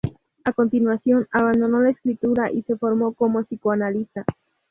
A continuación abandonó la escritura y se formó como psicoanalista.